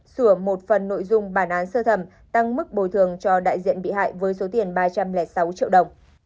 sửa một phần nội dung bản án sơ thẩm tăng mức bồi thường cho đại diện bị hại với số tiền ba trăm linh sáu triệu đồng